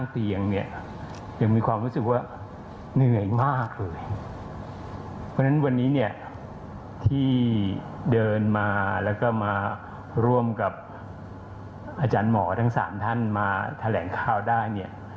เพราะฉะนั้นวันนี้เนี่ยที่เดินมาแล้วก็มาร่วมกับอาจารย์หมอทั้ง๓ท่านมาแถลงข่าวได้เนี่ย